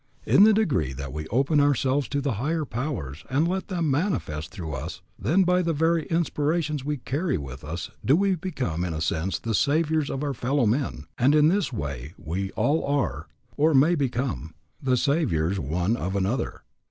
In the degree that we open ourselves to the higher powers and let them manifest through us, then by the very inspirations we carry with us do we become in a sense the saviours of our fellow men, and in this way we all are, or may become, the saviours one of another.